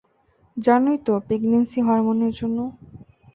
জানোই তো, প্রেগন্যান্সি হরমোনের জন্য।